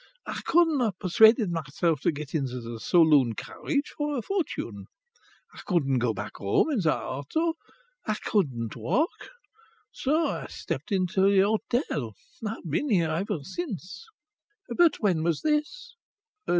I couldn't have persuaded myself to get into the saloon carriage for a fortune! I couldn't go back home in the auto! I couldn't walk! So I stepped into the hotel. I've been here ever since." "But when was this?"